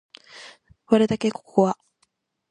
割るだけココア